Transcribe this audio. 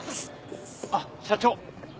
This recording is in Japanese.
あっ社長。